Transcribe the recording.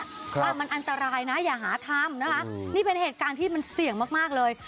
ว่ามันอันตรายนะอย่าหาทำนะคะนี่เป็นเหตุการณ์ที่มันเสี่ยงมากมากเลย